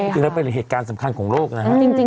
คือเป็นเหตุการณ์สำคัญของโลกนะครับ